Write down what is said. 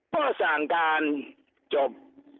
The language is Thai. เพราะสั่งการจบ